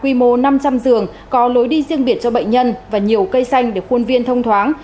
quy mô năm trăm linh giường có lối đi riêng biệt cho bệnh nhân và nhiều cây xanh để khuôn viên thông thoáng